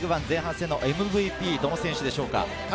前半戦のＭＶＰはどの選手でしょうか？